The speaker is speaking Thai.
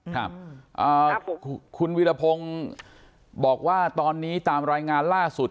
ครับคุณวิรพงศ์บอกว่าตอนนี้ตามรายงานล่าสุด